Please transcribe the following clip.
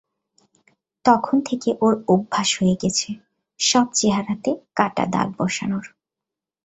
তখন থেকে, ওর অভ্যাস হয়ে গেছে, সব চেহারাতে কাটা দাগ বসানোর।